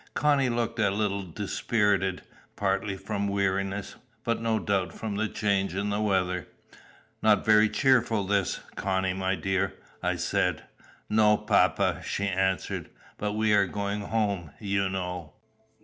Connie looked a little dispirited, partly from weariness, but no doubt from the change in the weather. "Not very cheerful, this, Connie, my dear," I said. "No, papa," she answered; "but we are going home, you know."